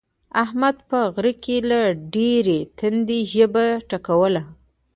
احمد په غره کې له ډېرې تندې ژبه ټکوله.